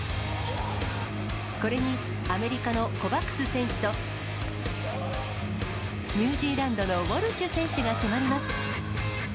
これにアメリカのコバクス選手と、ニュージーランドのウォルシュ選手が迫ります。